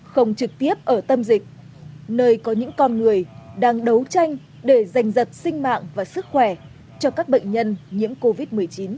không trực tiếp ở tâm dịch nơi có những con người đang đấu tranh để giành giật sinh mạng và sức khỏe cho các bệnh nhân nhiễm covid một mươi chín